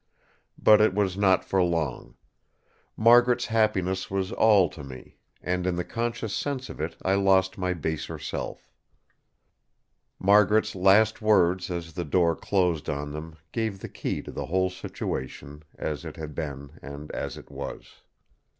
But it was not for long. Margaret's happiness was all to me; and in the conscious sense of it I lost my baser self. Margaret's last words as the door closed on them gave the key to the whole situation, as it had been and as it was.